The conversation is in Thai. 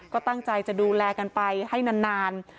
ก็ตั้งใจจะดูแลกันไปให้นาน